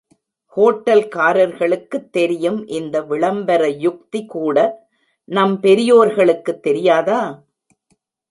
ஹோட்டல்காரர்களுக்குத் தெரியும் இந்த விளம்பர யுக்திகூட நம் பெரியோர்களுக்குத் தெரியாதா?